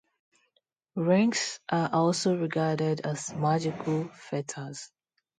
Rings are also regarded as magical fetters.